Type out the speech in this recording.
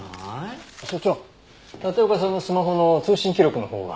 所長立岡さんのスマホの通信記録のほうは？